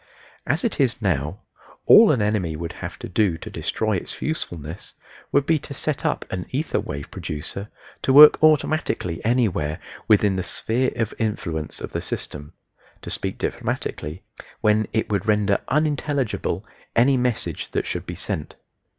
As it is now, all an enemy would have to do to destroy its usefulness would be to set an ether wave producer to work automatically anywhere within the "sphere of influence" of the system to speak diplomatically when it would render unintelligible any message that should be sent.